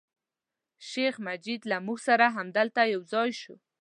شیخ مجید له موږ سره همدلته یو ځای شو.